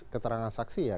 keterangan saksi ya